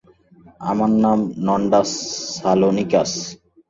আমার নাম নন্ডাস সালোনিকাস।